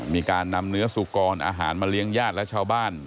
มีการนำเนื้อสุกรอาหารมาเลี้ยงญาติและชาวบ้าน